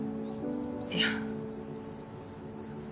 いや。